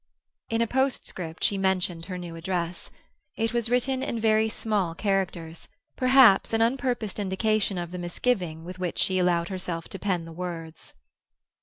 In a postscript she mentioned her new address. It was written in very small characters—perhaps an unpurposed indication of the misgiving with which she allowed herself to pen the words.